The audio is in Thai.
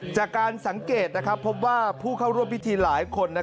จากการสังเกตพบว่าผู้เข้าร่วมพิธีหลายคน